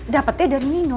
dapetnya dari nino